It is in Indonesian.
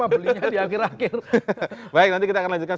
baik nanti kita akan lanjutkan